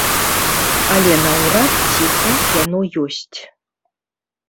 Але наўрад ці так яно ёсць.